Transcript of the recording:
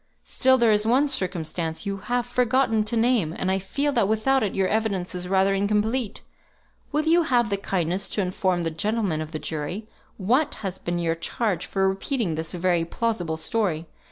Still there is one circumstance you have forgotten to name; and I feel that without it your evidence is rather incomplete. Will you have the kindness to inform the gentlemen of the jury what has been your charge for repeating this very plausible story?